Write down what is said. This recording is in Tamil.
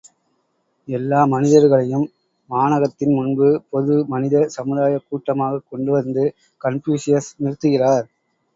எல்லா மனிதர்களையும் வானகத்தின் முன்பு பொது மனித சமுதாயக் கூட்டமாகக் கொண்டு வந்து கன்பூசியஸ் நிறுத்துகிறார்.